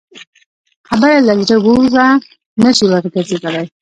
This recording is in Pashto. خبره له زړه ووځه، نه شې ورګرځېدلی.